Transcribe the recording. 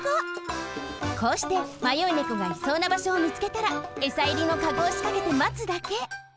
こうしてまよい猫がいそうな場所をみつけたらエサいりのカゴをしかけてまつだけ。